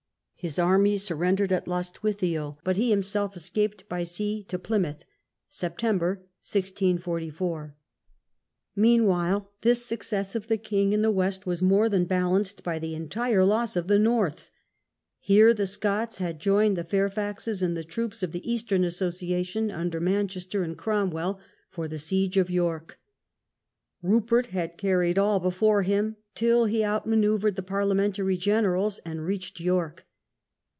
His army surrendered at Lx)stwithiel, but he himself escaped by sea to Plymouth. [September, 1644.] Meanwhile, this success of the king in the West was more than balanced by the entire loss of the North. Loss of the Here the Scots had joined the Fairfaxes and North. the troops of the Eastern Association under Manchester and Cromwell, for the siege of York. Rupert had carried all before him till he outmanoeuvred the Parliamentary generals and reached York.